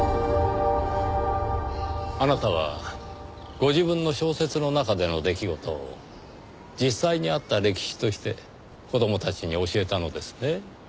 あなたはご自分の小説の中での出来事を実際にあった歴史として子供たちに教えたのですね？